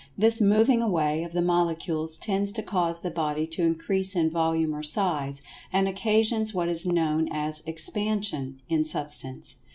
This "moving away" of the Molecules tend[Pg 125] to cause the body to increase in volume or size, and occasions what is known as "Expansion" in Substance.